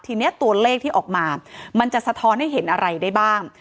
ทีนี้ตัวเลขที่ออกมามันจะสะท้อนให้เห็นอะไรได้บ้าง